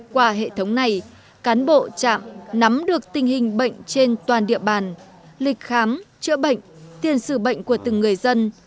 qua hệ thống này cán bộ trạm nắm được tình hình bệnh trên toàn địa bàn lịch khám chữa bệnh tiền sử bệnh của từng người dân